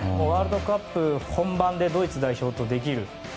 ワールドカップ本番でドイツ代表とできる。